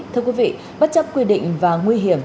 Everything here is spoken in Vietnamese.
thưa quý vị bất chấp quy định và nguy hiểm